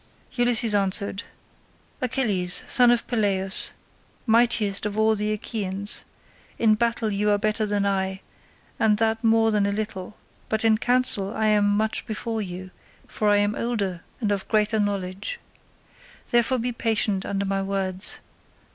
Ulysses answered, "Achilles, son of Peleus, mightiest of all the Achaeans, in battle you are better than I, and that more than a little, but in counsel I am much before you, for I am older and of greater knowledge. Therefore be patient under my words.